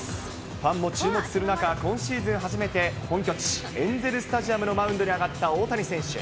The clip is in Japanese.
ファンも注目する中、今シーズン初めて、本拠地、エンゼル・スタジアムのマウンドに上がった大谷選手。